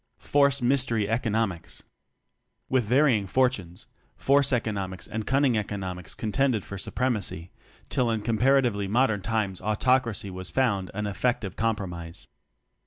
Force Mystery Economics. With varying fortunes force eco nomics and cunning economics con tended for supremacy till in compara tively modern times autocracy was found an effective compromise.